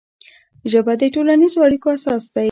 ژبه د ټولنیزو اړیکو اساس دی